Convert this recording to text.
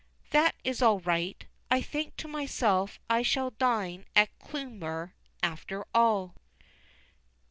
That is all right. I think to myself I shall dine at Clewmere after all.